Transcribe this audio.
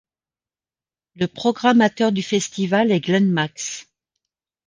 Le programmateur du festival est Glenn Max.